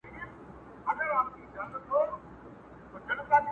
نه به سور وي په محفل کي نه مطرب نه به غزل وي٫